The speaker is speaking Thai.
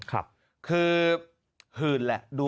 คือ